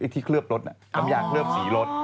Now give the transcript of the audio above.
ที่เคลือบรถน้ำยาเคลือบสีรถ